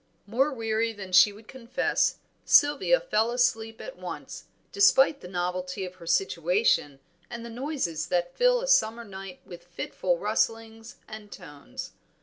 More weary than she would confess, Sylvia fell asleep at once, despite the novelty of her situation and the noises that fill a summer night with fitful rustlings and tones.